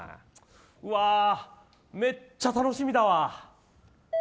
うわー、めっちゃ楽しみだわ。